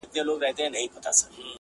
o هم بوره، هم بد نامه٫